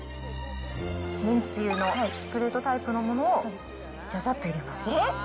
麺つゆのストレートタイプのものをざざっと入れます。